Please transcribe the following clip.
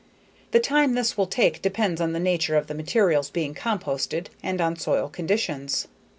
The time this will take depends on the nature of the materials being composted and on soil conditions.